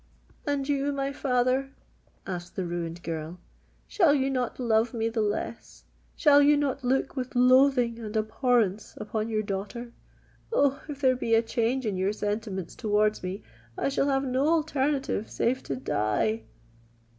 "And you, my father," asked the ruined girl,—"shall you not love me the less? Shall you not look with loathing and abhorrence upon your daughter? Oh! if there be a change in your sentiments towards me, I shall have no alternative save to die!"